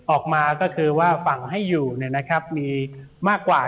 ออกมาก็คือว่าฝั่งให้อยู่มีมากกว่า